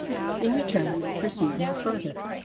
In return we will proceed no further.